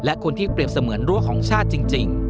และคนที่เปรียบเสมือนรั้วของชาติจริง